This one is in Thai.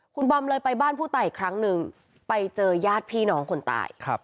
คุณบอมเลยไปบ้านผู้ตายอีกครั้งหนึ่งไปเจอญาติพี่น้องคนตาย